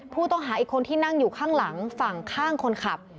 ผู้ต้องหาอีกคนที่นั่งอยู่ข้างหลังฝั่งข้างคนขับ